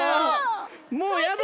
もうやだ！